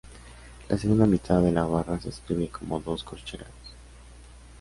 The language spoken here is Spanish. La segunda mitad de la barra se escribe como dos corcheas.